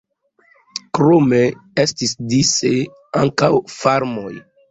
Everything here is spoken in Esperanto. Krome estis dise ankaŭ farmoj.